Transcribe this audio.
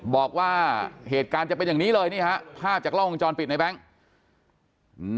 บอกว่าเหตุการณ์จะเป็นอย่างนี้เลยนี่ฮะภาพจากกล้องวงจรปิดในแบงค์